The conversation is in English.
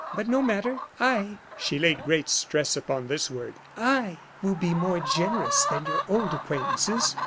But, no matter; I" she laid great stress upon this word "I will be more generous than your old acquaintances.